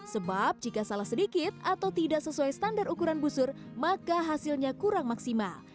sebab jika salah sedikit atau tidak sesuai standar ukuran busur maka hasilnya kurang maksimal